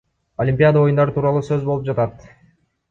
Олимпиада оюндары тууралуу сөз болуп жатат.